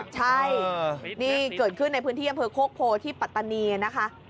ใช่นี่เกิดขึ้นในพื้นที่เยี่ยมพื้นเครือโคโภที่ปัตตานีนะคะ